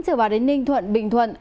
trở vào đến ninh thuận bình thuận